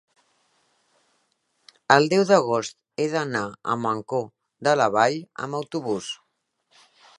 El deu d'agost he d'anar a Mancor de la Vall amb autobús.